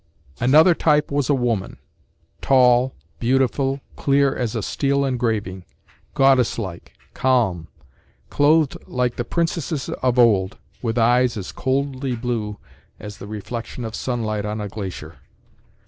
Another type was a woman, tall, beautiful, clear as a steel engraving, goddess like, calm, clothed like the princesses of old, with eyes as coldly blue as the reflection of sunlight on a glacier.